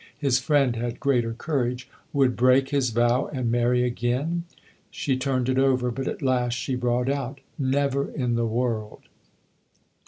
His friend had greater courage. " Would break his vow and marry again ?" She turned it over, but at last she brought out :" Never in the world."